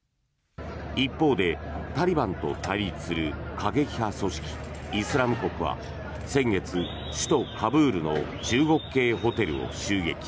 一方でタリバンと対立する過激派組織、イスラム国は先月、首都カブールの中国系ホテルを襲撃。